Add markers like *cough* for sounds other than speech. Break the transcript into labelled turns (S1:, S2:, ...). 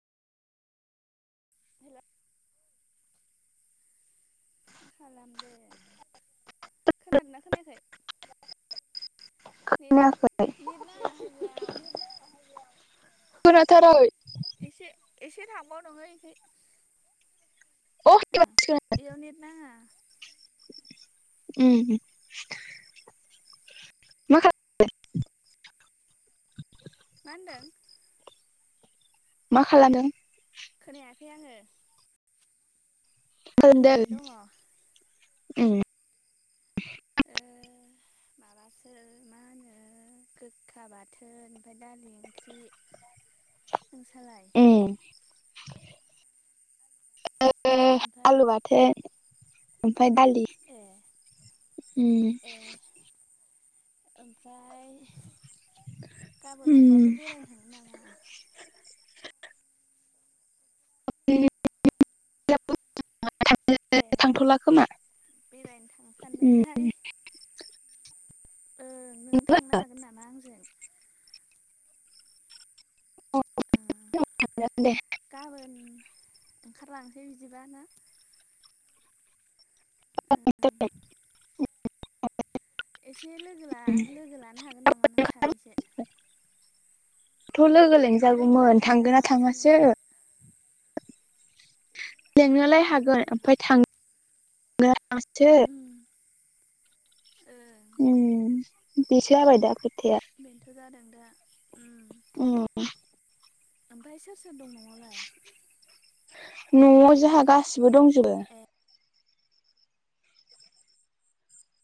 S1: *unintelligible* खालामदो खोनादोना खोनायाखै?
S2: खोनायाखै
S1: नेट नेट नाङाहाइ बेयाव।
S2: खोनाथारै
S1: एसे एसे थांबाव नोङो ऐखै।
S2: अ
S1: ओ
S2: एबारसो खोना
S1: इयाव नेट नाङा।
S2: ओम
S1: मा होनदों?
S2: मा खालादों?
S1: खोनायाखै आङो।
S2: *unintelligible*
S1: ओरैनो दङ
S2: ओम
S1: ओ माबासो मा होनो गोगखा बाथोन ओमफाय दालि ओंख्रि। नोंसालाय?
S2: ए। ओ
S1: ओमफ्राय
S2: आलु बाथो ओमफाय दालि।
S1: ए
S2: उम
S1: ए ओमफ्राय गाबोन
S2: उम
S1: अब्बाफोर बेरायनो थांनो नामा?
S2: *unintelligible*
S1: ए।
S2: थांथ'ला खोमा
S1: बेरायनो थांनो
S2: उम
S1: सानदोंमोनहाय ओं। नों थांनो हागोन नामा आंजों।
S2: औ
S1: ओ
S2: दे
S1: गाबोन ओंखारलांसै बिदिबा ना।
S2: *unintelligible*
S1: एसे लोगो लानो हागोन नामा नों सानैसो।
S2: थ' लोगो
S1: लोगो लानो
S2: लिंजागौमोन
S1: हागोन
S2: थांगोना
S1: नामा
S2: थाङासो।
S1: सानैसो
S2: लेंनोलाय
S1: ओ
S2: हागोन ओमफाय थांगोना थांआसो।
S1: उम ओं
S2: उम। बेसो जाबायदा खोथाया।
S1: बेनोथ' जादों दा। ओम।
S2: ओम।
S1: ओमफाय सोर सोर दं न'वावलाय।
S2: न'आव जोंहा गासिबो दंजोबो।
S1: ए।